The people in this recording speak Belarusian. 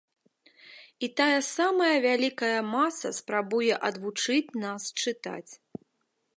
І тая самая вялікая маса спрабуе адвучыць нас чытаць.